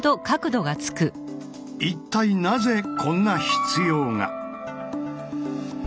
一体なぜこんな必要が？